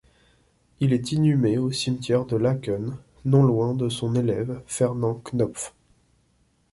Il est inhumé au cimetière de Laeken, non loin de son élève Fernand Khnopff.